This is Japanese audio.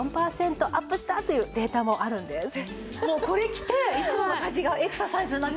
これ着ていつもの家事がエクササイズになっちゃう。